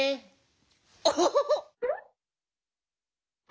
オホホホ。